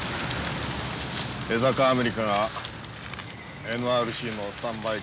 江坂アメリカがＮＲＣのスタンバイ